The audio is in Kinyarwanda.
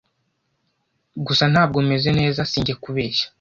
gusa ntabwo meze neza sinjye kubeshya.”